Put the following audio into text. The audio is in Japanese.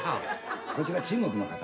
こちら中国の方？